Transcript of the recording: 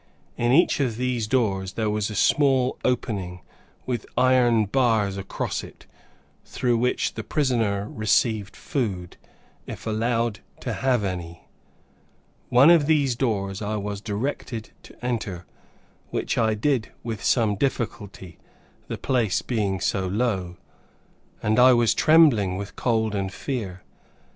In each of these doors there was a small opening, with iron bars across it, through which the prisoner received food, if allowed to have any. One of these doors I was directed to enter, which I did with some difficulty, the place being so low, and I was trembling with cold and fear.